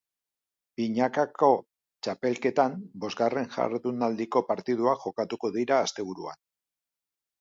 Binakako txapelketan bosgarren jardunaldiko partiduak jokatuko dira asteburuan.